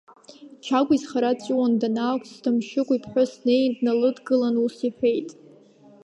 Чагә изхара дҵәуан данаақәҵ, Ҭамшьыгә иԥҳәыс днеин дналыдгылан ус иҳәеит…